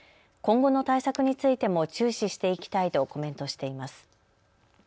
今後の対策についても注視していきたいとコメントしています。